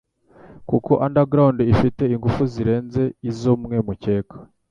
Kuko Underground ifite ingufu zirenze izo mwe mucyeka